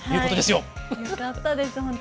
よかったです本当